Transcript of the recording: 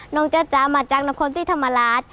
น้องจ้าจ้ามาจากนครสิทธรรมราช